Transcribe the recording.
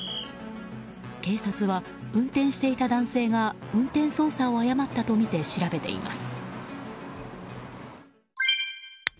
警察は、運転していた男性が運転操作を誤ったとみて調べています。